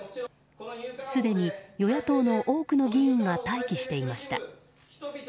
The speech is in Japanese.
すでに与野党の多くの議員が待機していました。